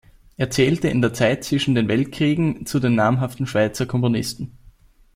Er zählte in der Zeit zwischen den Weltkriegen zu den namhaften Schweizer Komponisten.